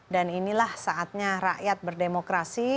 dan inilah saatnya rakyat berdikari